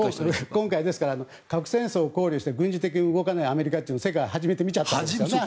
今回、核戦争を考慮して軍事的に動かないアメリカを世界が初めて見ちゃったんですよね。